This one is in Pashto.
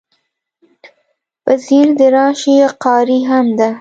په خیر د راشی قاری هم ده